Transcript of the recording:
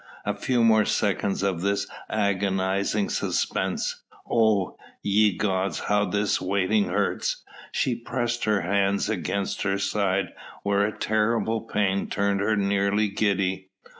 A few more seconds of this agonising suspense! Oh! ye gods, how this waiting hurts! She pressed her hands against her side where a terrible pain turned her nearly giddy.